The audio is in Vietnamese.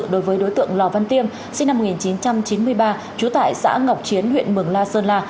đối với đối tượng lò văn tiêm sinh năm một nghìn chín trăm chín mươi ba trú tại xã ngọc chiến huyện mường la sơn la